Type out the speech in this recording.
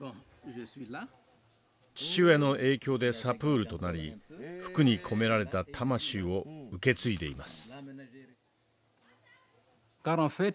父親の影響でサプールとなり服に込められた魂を受け継いでいます。